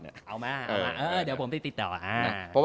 เบอร์มาเดี๋ยวผมติดครับ